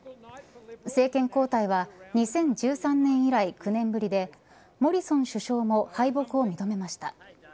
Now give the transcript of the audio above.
政権交代は２０１３年以来、９年ぶりでモリソン首相も敗北を認めました。